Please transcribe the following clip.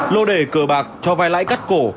lô đề cờ bạc cho vai lãi cắt cổ